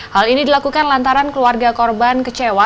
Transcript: hal ini dilakukan lantaran keluarga korban kecewa